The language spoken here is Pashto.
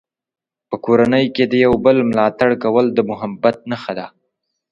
په کورنۍ کې د یو بل ملاتړ کول د محبت نښه ده.